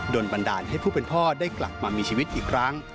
บันดาลให้ผู้เป็นพ่อได้กลับมามีชีวิตอีกครั้ง